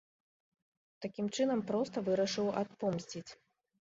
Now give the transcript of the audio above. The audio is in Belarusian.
Такім чынам проста вырашыў адпомсціць.